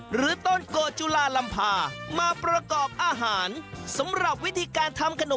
หรือต้นโกจุลาลำพามาประกอบอาหาร